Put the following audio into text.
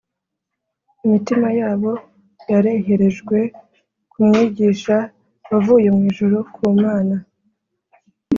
imitima yabo yareherejwe ku mwigisha wavuye mu ijuru ku mana